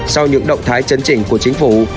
sau những động thái chấn chỉnh của chính phủ